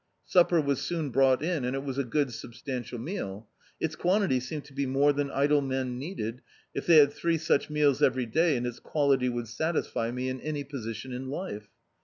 Supper was soon brou^t in, and it was a good substantial meal. Its quantity seemed to be more than idle men needed, if they had three such meals every day, and its quality would satisfy me in any position in life.